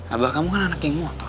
abah kamu kan anak yang mau